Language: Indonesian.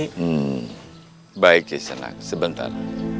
hmm baik ki sana sebentar